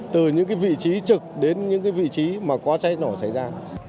từ những vị trí trực đến những vị trí mà có cháy nổ xảy ra